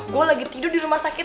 gue lagi tidur di rumah sakit